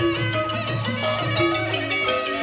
โอเคครับ